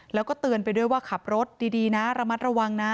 แล้วก็เตือนไปด้วยว่าขับรถดีนะระมัดระวังนะ